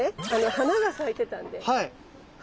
花が咲いてたんで。